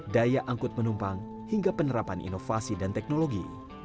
daya angkut penumpang hingga penerapan inovasi dan teknologi